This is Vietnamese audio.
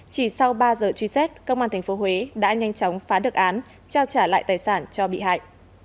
chỉ sau ba giờ truy xét công an tp huế đã nhanh chóng phá được án trao trả lại tài sản cho bị hại